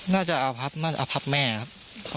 น่าจะครั้บถูกครับแม่ครับ